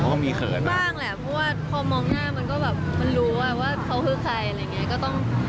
มันรู้ว่าเขาคือใครอะไรอย่างนี้